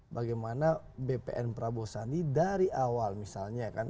bagaimana bpn prabowo sandi dari awal misalnya kan